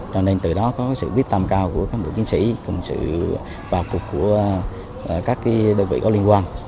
cho nên từ đó có sự biết tâm cao của các đội chiến sĩ cùng sự vào cuộc của các đơn vị có liên quan